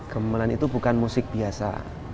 gemelan itu bukan musik biasa